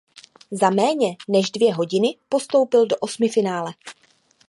Za méně než dvě hodiny postoupil do osmifinále.